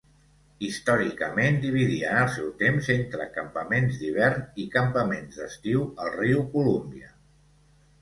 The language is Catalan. Històricament dividien el seu temps entre campaments d'hivern i campaments d'estiu al riu Columbia.